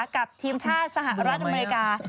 กับทีมชาติสหรัฐอเมริกา